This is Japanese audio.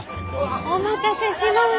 お待たせしました。